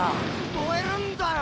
燃えるんだよ！